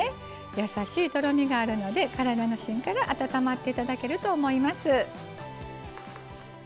やさしいとろみがあるので体の芯から温まっていただけると思います。